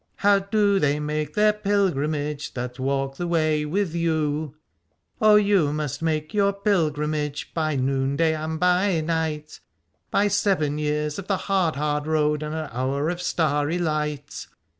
How do they make their pilgrimage That walk the way with you ? O you must make your pilgrimage By noonday and by night, By seven years of the hard hard road And an hour of starry light.